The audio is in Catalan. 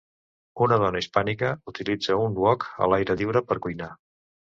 Una dona hispànica utilitza un wok a l'aire lliure per cuinar.